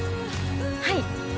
はい。